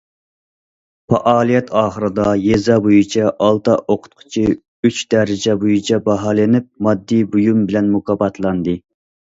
پائالىيەت ئاخىرىدا، يېزا بويىچە ئالتە ئوقۇتقۇچى ئۈچ دەرىجە بويىچە باھالىنىپ، ماددىي بۇيۇم بىلەن مۇكاپاتلاندى.